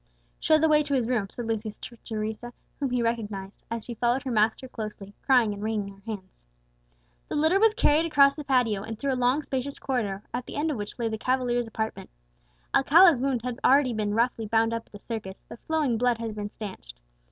"Show the way to his room," said Lucius to Teresa, whom he recognized, as she followed her master closely, crying and wringing her hands. The litter was carried across the patio, and through a long spacious corridor, at the end of which lay the cavalier's apartment. Alcala's wound had already been roughly bound up at the circus, the flowing blood had been stanched.